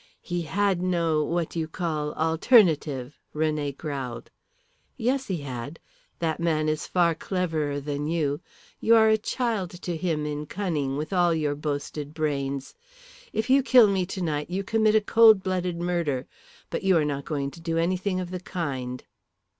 "He had no what you call alternative," René growled. "Yes, he had. That man is far cleverer than you. You are a child to him in cunning with all your boasted brains. If you kill me tonight you commit a cold blooded murder. But you are not going to do anything of the kind."